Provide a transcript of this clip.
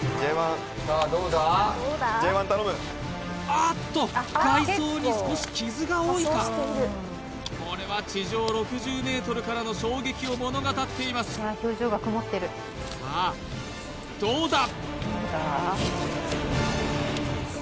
ああっと外装に少し傷が多いかこれは地上６０ｍからの衝撃を物語っていますさあどうだ